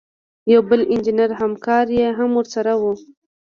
یو بل انجینر همکار یې هم ورسره و.